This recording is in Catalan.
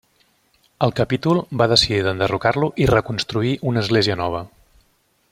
El capítol va decidir d'enderrocar-lo i reconstruir una església nova.